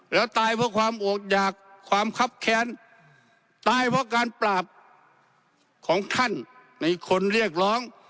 แล้วตายเพราะความโอดหยากความคับแค้นตายเพราะการปราบของท่านในคนเรียกร้อง